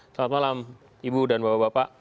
selamat malam ibu dan bapak bapak